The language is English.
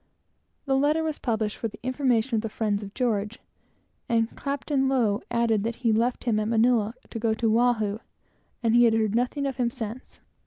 The letter was published for the information of the friends of George, and Captain Low added, that he left him at Manilia to go to Oahu, and he had heard nothing of him since.